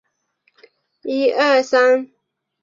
他们来自俄亥俄州。